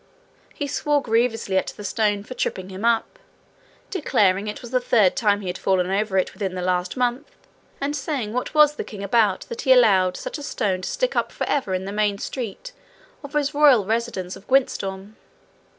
He swore grievously at the stone for tripping him up, declaring it was the third time he had fallen over it within the last month; and saying what was the king about that he allowed such a stone to stick up forever on the main street of his royal residence of Gwyntystorm!